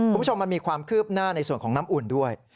คุณผู้ชมมันมีความคืบหน้าในส่วนของน้ำอุ่นด้วย